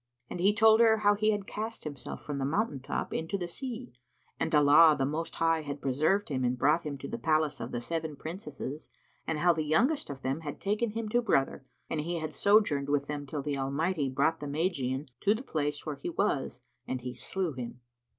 And he told her how he had cast himself from the mountain top into the sea and Allah the Most High had preserved him and brought him to the palace of the seven Princesses and how the youngest of them had taken him to brother and he had sojourned with them till the Almighty brought the Magian to the place where he was and he slew him.